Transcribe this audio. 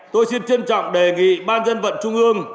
tôi xin trân trọng đề nghị ban dân vận trung ương